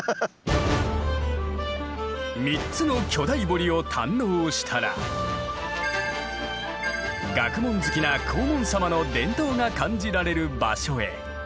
３つの巨大堀を堪能したら学問好きな黄門様の伝統が感じられる場所へ。